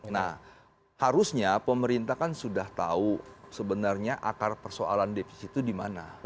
nah harusnya pemerintah kan sudah tahu sebenarnya akar persoalan defisit itu di mana